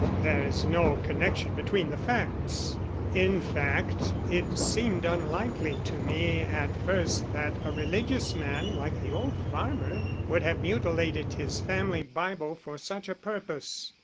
There is no connection between the facts. In fact, it seemed unlikely to me at first that a religious man like the old farmer would have mutilated his family Bible for such a purpose.